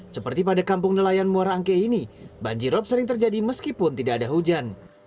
seperti pada kampung nelayan muara angke ini banjirop sering terjadi meskipun tidak ada hujan